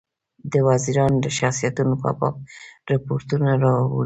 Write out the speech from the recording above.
د وزیرانو د شخصیتونو په باب رپوټونه راوړي.